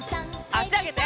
あしあげて。